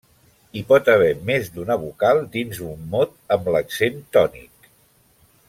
Hi pot haver més d'una vocal dins un mot amb l'accent tònic.